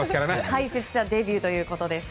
解説者デビューということです。